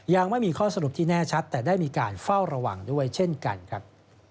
ยังไม่มีข้อสรุปที่แน่ชัดแต่ได้มีการเฝ้าระวังด้วยเช่นกันครับ